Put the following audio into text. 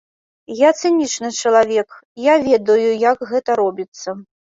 Я цынічны чалавек, я ведаю, як гэта робіцца.